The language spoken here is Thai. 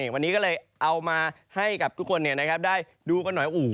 วันนี้ก็เลยเอามาให้กับทุกคนได้ดูกันหน่อย